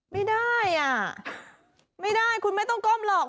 ไม่ได้อ่ะไม่ได้คุณไม่ต้องก้มหรอก